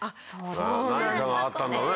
何かがあったんだろうね